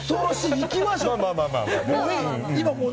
行きましょう、もう！